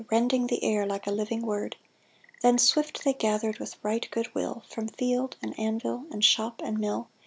Rending the air like a living word ! Then swift they gathered with right good will From field and anvil and shop and mill.